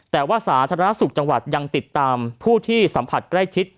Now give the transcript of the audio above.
แต่ว่าสาธารณสุขจังหวัดยังติดตามผู้ที่สัมผัสใกล้ชิด